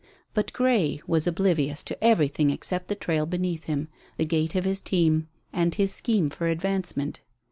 But Grey was oblivious to everything except the trail beneath him, the gait of his team, and his scheme for advancement.